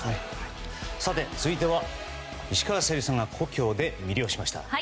続いては石川さゆりさんが故郷で魅了しました。